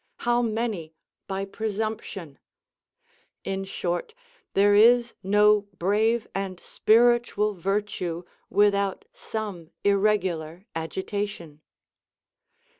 how many by presumption! In short, there is no brave and spiritual virtue without some irregular agitation.